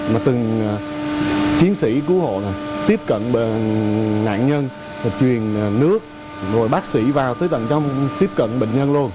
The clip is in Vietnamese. mà từng chiến sĩ cứu hộ tiếp cận nạn nhân là truyền nước rồi bác sĩ vào tới tầng trong tiếp cận bệnh nhân luôn